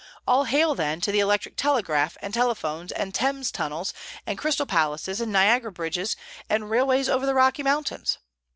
All hail, then, to the electric telegraph and telephones and Thames tunnels and Crystal Palaces and Niagara bridges and railways over the Rocky Mountains!